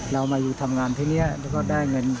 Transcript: เรามาอยู่ทำงานที่นี่แล้วก็ได้เงิน